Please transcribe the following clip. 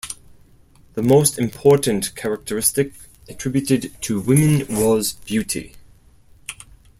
The most important characteristic attributed to women was beauty.